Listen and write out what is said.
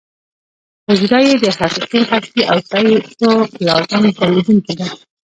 حجره یې د حقیقي هستې او سایټوپلازم درلودونکې ده.